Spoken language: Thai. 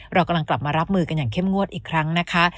เรากำลังกลับมารับมือกันอย่างเข้มงวดอีกครั้งนะคะ